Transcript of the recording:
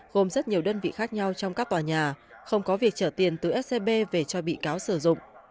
gồm rất nhiều đơn vị khác nhau trong các tòa nhà không có việc trở tiền từ scb về cho bị cáo sử dụng